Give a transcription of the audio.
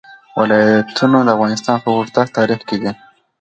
ولایتونه د افغانستان په اوږده تاریخ کې دي.